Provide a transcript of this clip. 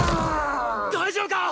大丈夫か！